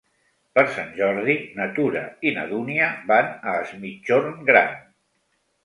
Per Sant Jordi na Tura i na Dúnia van a Es Migjorn Gran.